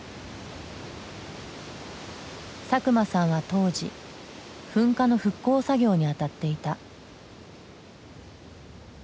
佐久間さんは当時噴火の復興作業にあたっていた。